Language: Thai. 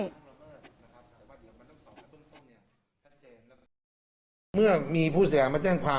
เนี่ยขัดเจนแล้วแม่งเมื่อมีผู้แสี่เอามาแจ้งความ